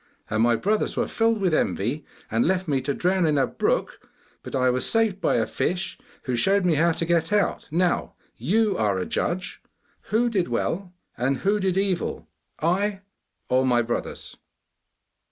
And my brothers were filled with envy, and left me to drown in a brook, but I was saved by a fish who showed me how to get out. Now, you are a judge! Who did well, and who did evil I or my brothers?